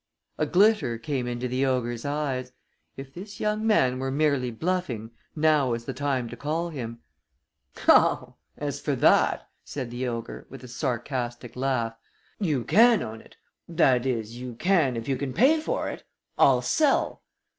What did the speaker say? A glitter came into the ogre's eyes. If this young man were merely bluffing now was the time to call him. "Oh, as for that," said the ogre, with a sarcastic laugh, "you can own it that is, you can if you can pay for it. I'll sell."